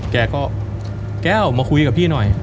แกก็แก้วมาคุยกับพี่หน่อย